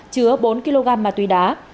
chứa bốn kg ma túy đá